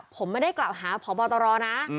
ผมไม่ได้กลับหาพ่อบอตรอนะ